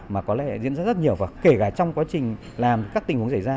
mà có lẽ diễn ra rất nhiều và kể cả trong quá trình làm các tình huống xảy ra